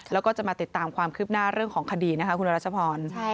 แล้วก็จะมาติดตามความคืบหน้าเรื่องของคดีนะคะคุณรัชพร